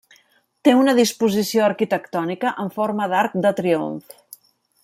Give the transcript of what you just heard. Té una disposició arquitectònica en forma d'arc de triomf.